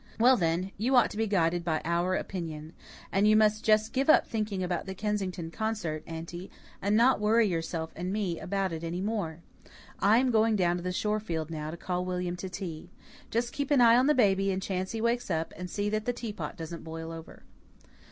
"Well, then, you ought to be guided by our opinion. And you must just give up thinking about the Kensington concert, Aunty, and not worry yourself and me about it any more. I am going down to the shore field now to call William to tea. Just keep an eye on the baby in chance he wakes up, and see that the teapot doesn't boil over."